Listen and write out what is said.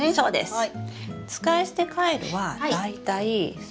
はい。